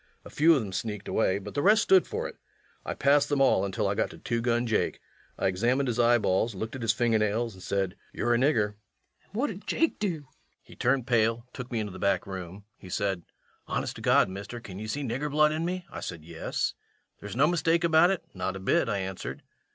A few of them sneaked away, but the rest stood for it. I passed them all until I got to Two Gun Jake. I examined his eyeballs, looked at his finger nails, and said, "You're a nigger." LUKE. An' what did Jake do? REVENUE. He turned pale, took me into the back room. He said: "Honest to God, mister, can ye see nigger blood in me?" I said: "Yes." "There's no mistake about it?" "Not a bit," I answered.